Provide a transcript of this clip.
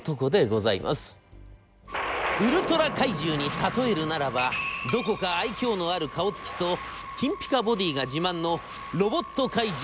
ウルトラ怪獣に例えるならばどこか愛嬌のある顔つきと金ピカボディーが自慢のロボット怪獣